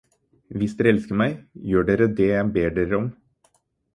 Hvis dere elsker meg, gjør dere det jeg ber dere om.